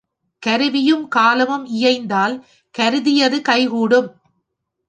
கருவியும் காலமும் இயைந்தால் கருதியது கைகூடும்.